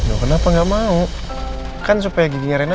oke nak udah sampe yuk turun